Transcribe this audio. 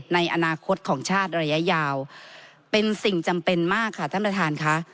ในอนาคตของชาติระยะยาวเป็นสิ่งจำเป็นมากค่ะท่านประธานค่ะ